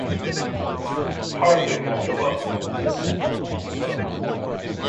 Hardly more plausible.